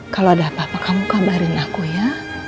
kalau ada apa apa kamu kabarin aku ya